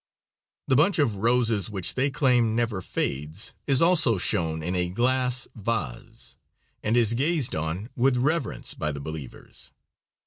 The bunch of roses, which, they claim, never fades, is also shown in a glass vase, and is gazed on with reverence by the believers.